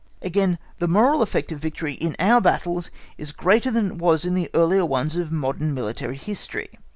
Again, the moral effect of victory in our battles is greater than it was in the earlier ones of modern military history.